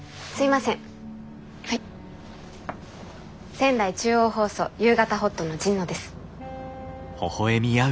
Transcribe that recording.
仙台中央放送「夕方ほっと」の神野です。